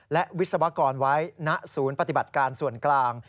และวิศวกรไว้ณศูนย์ปฏิบัติการส่วนกลาง